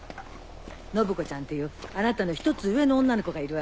信子ちゃんっていうあなたの１つ上の女の子がいるわ。